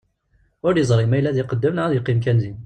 Ur yeẓri ma yella ad iqeddem neɣ ad iqqim kan din.